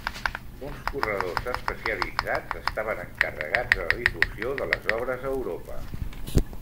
Uns corredors especialitzats estaven encarregats de la difusió de les obres a Europa.